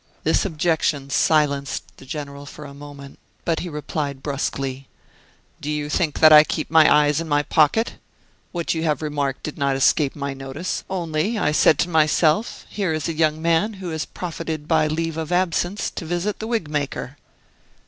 This objection silenced the General for a moment; but he replied bruskly: "Do you think that I keep my eyes in my pocket? What you have remarked did not escape my notice; only I said to myself, here is a young man who has profited by leave of absence to visit the wig maker."